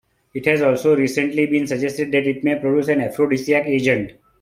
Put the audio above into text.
It has also recently been suggested that it may produce an aphrodisiac agent.